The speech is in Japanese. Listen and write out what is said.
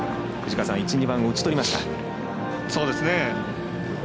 １、２番を打ち取りました。